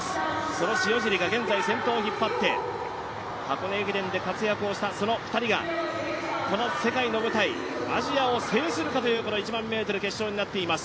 その塩尻が現在先頭を引っ張って、箱根駅伝で活躍をしたその２人がこの世界の舞台、アジアを制するかという１００００ｍ決勝になっています。